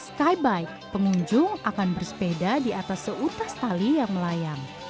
skybike pengunjung akan bersepeda di atas seutas tali yang melayang